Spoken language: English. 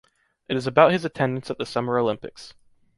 It is about his attendance at the Summer Olympics.